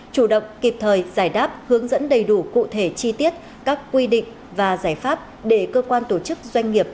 chủ động kịp thời giải đáp hướng dẫn đầy đủ cụ thể chi tiết các quy định và giải pháp để cơ quan tổ chức doanh nghiệp